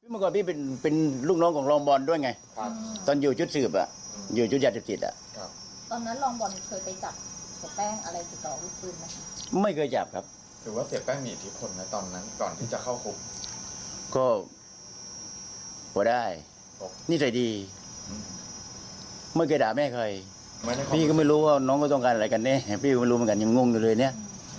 พี่ก็ไม่รู้ว่าน้องก็ต้องการอะไรกันเนี่ยพี่ก็ไม่รู้เหมือนกันยังงุ่งด้วยเนี่ย